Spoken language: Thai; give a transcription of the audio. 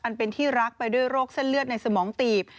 เป็นที่รักไปด้วยโรคเส้นเลือดในสมองตีบ